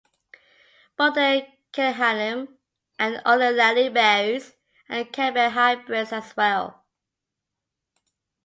Both the 'Chehalem' and 'Olallie' berries are caneberry hybrids, as well.